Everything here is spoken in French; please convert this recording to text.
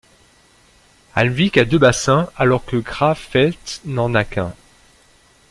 Almvik a deux bassins, alors que Gravfällt n'en a qu'un.